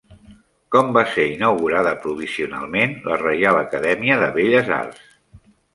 Com va ser inaugurada provisionalment la Reial Acadèmia de Belles Arts?